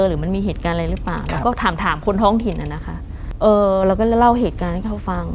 หรือมันมีเหตุการณ์อะไรหรือเปล่าแล้วก็ถามถามคนท้องถิ่นอ่ะนะคะเออเราก็จะเล่าเหตุการณ์ให้เขาฟัง